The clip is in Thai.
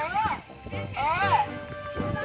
เมื่อ